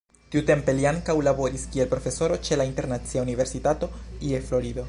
Tiutempe li ankaŭ laboris kiel profesoro ĉe la Internacia Universitato je Florido.